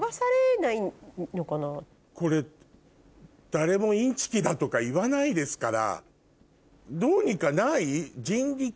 これ誰もインチキだとか言わないですから。